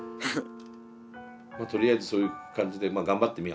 まあとりあえずそういう感じでまあ頑張ってみ？